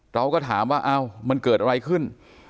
เราก็ถามว่ามันเกิดอะไรขึ้น